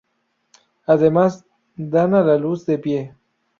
Además, dan a luz de pie.